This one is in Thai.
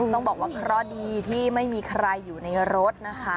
ต้องบอกว่าเคราะห์ดีที่ไม่มีใครอยู่ในรถนะคะ